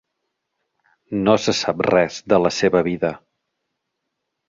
No se sap res de la seva vida.